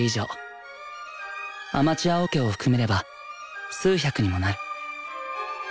アマチュアオケを含めれば数百にもなる。